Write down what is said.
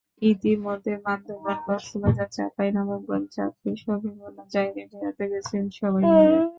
ইতিমধ্যে বান্দরবান, কক্সবাজার, চাঁপাইনবাবগঞ্জ, চাঁদপুরসহ বিভিন্ন জায়গায় বেড়াতে গেছেন সবাই মিলে।